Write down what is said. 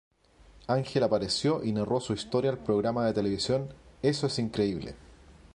Angel apareció y narró su historia al programa de televisión, ¡Eso es increíble!.